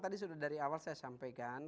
tadi sudah dari awal saya sampaikan